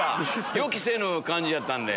予期せぬ感じやったんで。